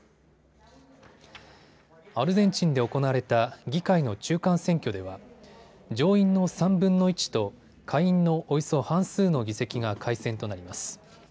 アルゼンチンで行われた議会の中間選挙では上院の３分の１と下院のおよそ半数の議席が改選となります。